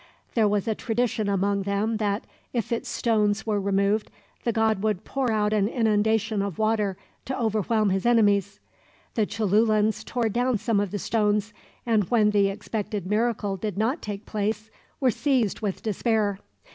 There was a tradition among them that, if its stones were removed, the god would pour out an inundation of water to overwhelm his enemies. The Cholulans tore down some of the stones, and when the expected miracle did not take place, were seized with despair.